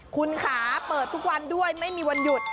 คุณค่ะเปิดทุกวันด้วยไม่มีวันหยุด